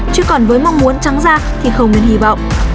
chứ còn với mong muốn trắng ra thì không nên hy vọng